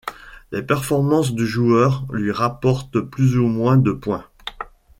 Les performances du joueur lui rapporte plus ou moins de points.